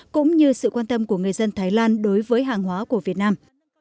cũng như sự quan tâm của người dân thái lan đối với hàng hóa của việt nam